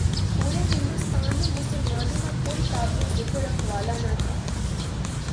پورے ہندوستان میں مسلمانوں کا کوئی قابل ذکر رکھوالا نہ تھا۔